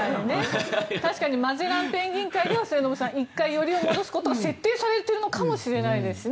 確かにマゼランペンギン界では１回、よりを戻すことが設定されてるのかもしれないですしね。